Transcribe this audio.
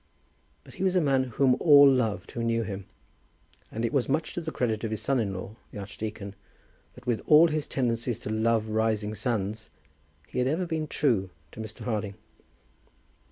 But he was a man whom all loved who knew him; and it was much to the credit of his son in law, the archdeacon, that, with all his tendencies to love rising suns, he had ever been true to Mr. Harding.